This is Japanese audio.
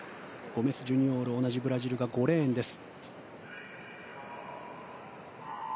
ゴメス・ジュニオール同じブラジルが５レーンです。